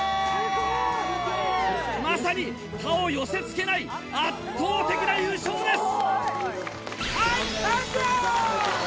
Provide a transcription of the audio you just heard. まさに他を寄せ付けない圧倒的な優勝です！